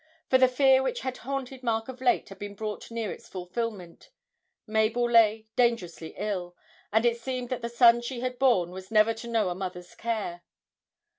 For the fear which had haunted Mark of late had been brought near its fulfilment Mabel lay dangerously ill, and it seemed that the son she had borne was never to know a mother's care.